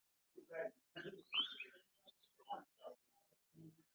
Akatikiti kaafunibwa nga wayisewo ennaku abiri mu mukaaga okuva ku kuzaalibwa kwo.